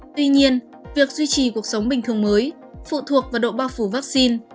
tuy nhiên việc duy trì cuộc sống bình thường mới phụ thuộc vào độ bao phủ vaccine